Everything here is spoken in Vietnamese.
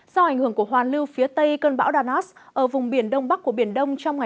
do ảnh hưởng của hoàn lưu phía tây cơn bão danos ở vùng biển đông bắc của biển đông